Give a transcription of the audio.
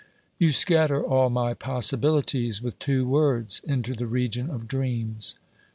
You scatter all my possibilities, with two words, into the region of dreams.